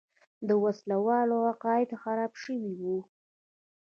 د وسله والو عقیده خرابه شوې وه.